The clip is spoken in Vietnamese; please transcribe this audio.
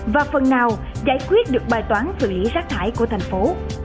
và phần nào giải quyết được bài toán thực lý sát thải của thành phố